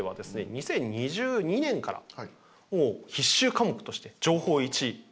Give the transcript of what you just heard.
２０２２年からもう必修科目として「情報Ⅰ」始まってます。